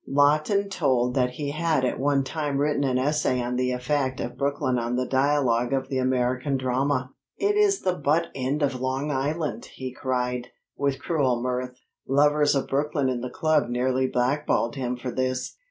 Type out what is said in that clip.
Lawton told that he had at one time written an essay on the effect of Brooklyn on the dialogue of the American drama. "It is the butt end of Long Island," he cried, with cruel mirth. Lovers of Brooklyn in the club nearly blackballed him for this.